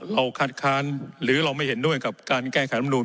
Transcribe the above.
เราคาดคล้านหรือเราไม่เห็นด้วยกับการแก้แข่ลำดูฟ